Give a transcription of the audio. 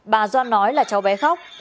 bà doan nói là cháu bé khóc